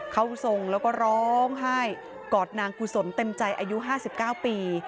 เข้าทรงแล้วก็ร้องไห้กอดนางกุศลเต็มใจอายุ๕๙ปี